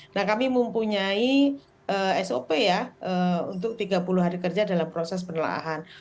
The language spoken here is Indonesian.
nah kami mempunyai sop ya untuk tiga puluh hari kerja dalam proses penelahan